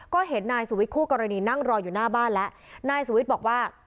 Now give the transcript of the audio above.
ก็เห็นนายสุวิทย์คู่กรณีนั่งรออยู่หน้าบ้านแล้วนายสุวิทย์บอกว่า